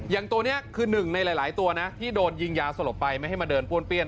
ตัวนี้คือหนึ่งในหลายตัวนะที่โดนยิงยาสลบไปไม่ให้มาเดินป้วนเปี้ยน